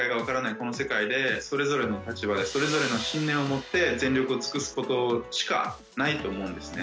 この世界で、それぞれの立場でそれぞれの信念を持って、全力を尽くすことしかないと思うんですね。